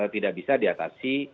tidak bisa diatasi